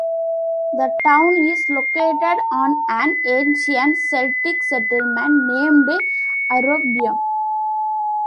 The town is located on an ancient Celtic settlement, named "Arrubium".